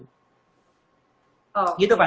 oh gitu pan